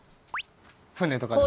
船とかでも。